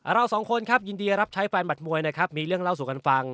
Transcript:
เราสองคนครับยินดีรับใช้แฟนหมัดมวยนะครับมีเรื่องเล่าสู่กันฟัง